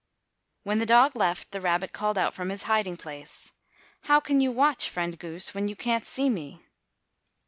When the dog left, the rabbit called out from his hiding place, "How can you watch, friend goose, when you can't see me?"